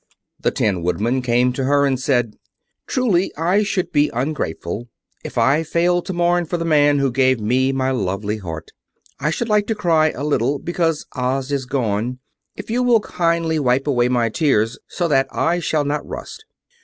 The Tin Woodman came to her and said: "Truly I should be ungrateful if I failed to mourn for the man who gave me my lovely heart. I should like to cry a little because Oz is gone, if you will kindly wipe away my tears, so that I shall not rust."